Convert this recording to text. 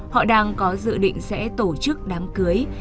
họ đang có dự định sẽ tổ chức đám cưới